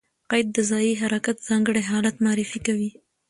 قید د ځایي حرکت ځانګړی حالت معرفي کوي.